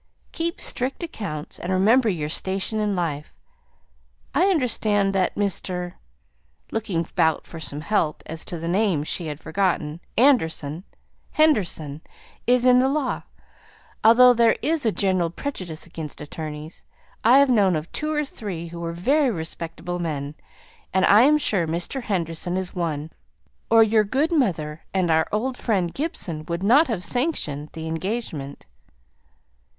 "Keep strict accounts; and remember your station in life. I understand that Mr. " looking about for some help as to the name she had forgotten "Anderson Henderson is in the law. Although there is a general prejudice against attorneys, I have known of two or three who were very respectable men; and I am sure Mr. Henderson is one, or your good mother and our old friend Gibson would not have sanctioned the engagement."